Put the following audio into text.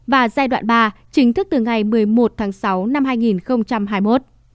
và giai đoạn ba chính thức từ ngày một mươi một tháng sáu năm hai nghìn hai mươi một